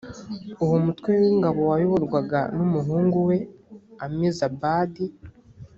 uwo mutwe w ingabo wayoborwaga n umuhungu we amizabadi